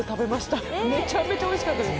めちゃめちゃおいしかったです。